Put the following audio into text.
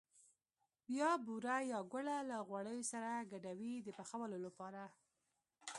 بیا بوره یا ګوړه له غوړیو سره ګډوي د پخولو لپاره.